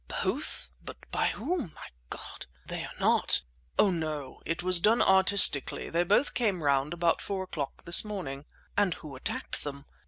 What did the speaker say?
"Both! But by whom! My God! They are not—" "Oh, no! It was done artistically. They both came round about four o'clock this morning." "And who attacked them?"